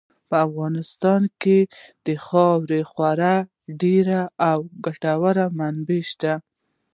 په افغانستان کې د خاورې خورا ډېرې او ګټورې منابع شته.